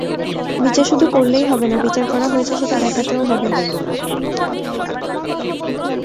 বিচার শুধু করলেই হবে না, বিচার করা হয়েছে সেটা দেখাতেও হবে।